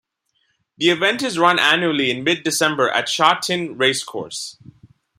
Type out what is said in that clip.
The event is run annually in mid-December at Sha Tin Racecourse.